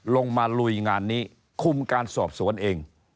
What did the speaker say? ลงมาลุยงานนี้คุมการสอบสวนเอง